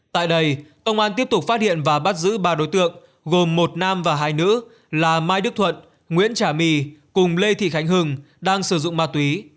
tại đây công an tiếp tục phát hiện và bắt giữ ba đối tượng gồm một nam và hai nữ là mai đức thuận nguyễn trà my cùng lê thị khánh hưng đang sử dụng ma túy